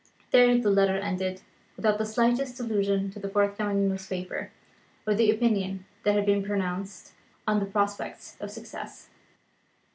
There the letter ended, without the slightest allusion to the forthcoming newspaper, or to the opinion that had been pronounced on the prospects of success.